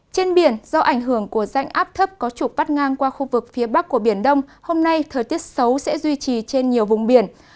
trên biển do ảnh hưởng của rãnh áp thấp có trục bắt ngang qua khu vực phía bắc của biển đông hôm nay thời tiết xấu sẽ duy trì trên nhiều vùng biển